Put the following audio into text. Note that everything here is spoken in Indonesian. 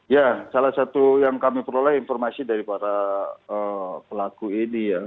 ya salah satu yang kami peroleh informasi dari para pelaku ini ya